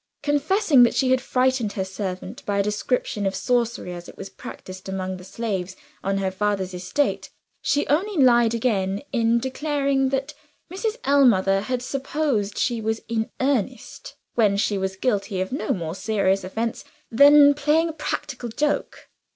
Confessing that she had frightened her servant by a description of sorcery, as it was practiced among the slaves on her father's estate, she only lied again, in declaring that Mrs. Ellmother had supposed she was in earnest, when she was guilty of no more serious offense than playing a practical joke.